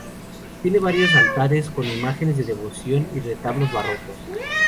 Tiene varios altares con imágenes de devoción y retablos barrocos.